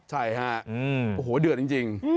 ใช่ฮะโอ้โหเดือดจริง